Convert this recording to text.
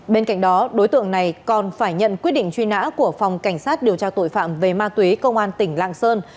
bên cạnh đó đối tượng này còn phải nhận quyết định truy nã của phòng cảnh sát điều tra tội phạm về ma túy công an tỉnh lạng sơn